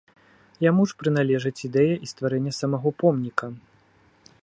Яму ж прыналежыць ідэя і стварэння самага помніка.